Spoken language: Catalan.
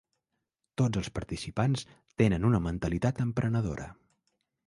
Tots els participants tenen una mentalitat emprenedora.